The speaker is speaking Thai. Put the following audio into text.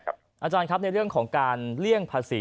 อาจารย์ครับในเรื่องของการเลี่ยงภาษี